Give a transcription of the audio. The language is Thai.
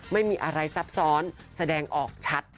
ไม่มีอะไรซับซ้อนแสดงออกชัด